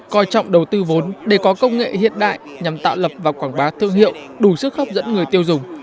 coi trọng đầu tư vốn để có công nghệ hiện đại nhằm tạo lập và quảng bá thương hiệu đủ sức hấp dẫn người tiêu dùng